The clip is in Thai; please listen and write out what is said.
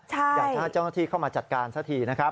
อยากจะให้เจ้าหน้าที่เข้ามาจัดการซะทีนะครับ